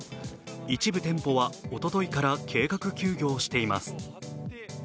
一部店舗はおとといから計画休業しています。